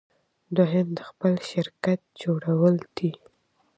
دوهم د خپل شرکت جوړول دي.